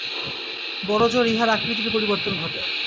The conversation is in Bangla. বড়জোর ইহার আকৃতির পরিবর্তন ঘটে।